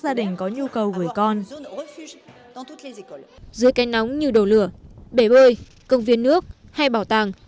gia đình có nhu cầu gửi con dưới cây nóng như đồ lửa bể bơi công viên nước hay bảo tàng